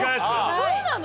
そうなの？